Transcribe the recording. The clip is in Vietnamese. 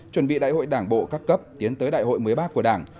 chuẩn bị đại hội đảng bộ các cấp tiến tới đại hội mới bác của đảng